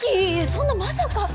そんなまさか。